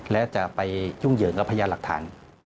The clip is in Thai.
และจะไปยุ่งเยอะเอาพยาบาทลักฐาน